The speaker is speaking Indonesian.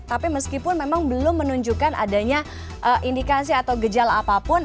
tapi meskipun memang belum menunjukkan adanya indikasi atau gejala apapun